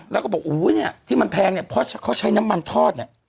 แล้วก็บอกอู๋เนี่ยที่มันแพงเนี่ยเพราะเขาใช้น้ำมันทอดเนี่ย